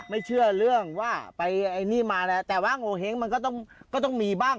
ไม่เชื่อเรื่องว่าไปไอ้นี่มาแล้วแต่ว่าโงเห้งมันก็ต้องก็ต้องมีบ้าง